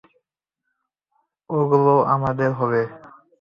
ওগুলো আমাদের হবে।